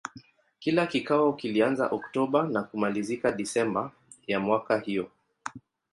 Kila kikao kilianza Oktoba na kumalizika Desemba ya miaka hiyo.